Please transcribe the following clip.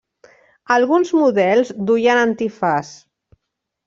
Alguns models duien antifaç.